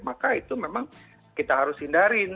maka itu memang kita harus hindari